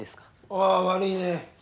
ああ悪いね。